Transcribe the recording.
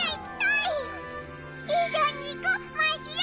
いっしょにいこうましろ！